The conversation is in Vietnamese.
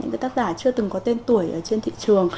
mà chưa từng có tên tuổi ở trên thị trường